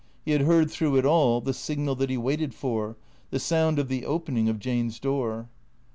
He had heard through it all the signal that he waited for, the sound of the opening of Jane's door.